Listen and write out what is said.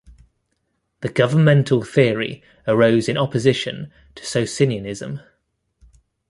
The governmental theory arose in opposition to Socinianism.